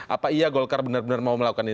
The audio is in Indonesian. apa iya golkar benar benar mau melakukan ini